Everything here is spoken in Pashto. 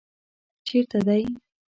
چېرته دی؟